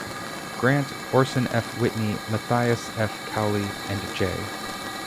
Grant, Orson F. Whitney, Matthias F. Cowley, and J.